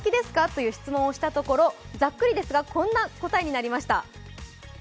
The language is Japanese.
という質問をしたところ、ざっくりですが、こんな答えになりました。